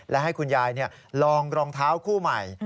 และให้คุณยายลองรองเท้าคู่ใหม่